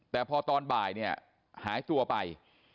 แต่พอตอนบ่ายเนี่ยหายตัวไป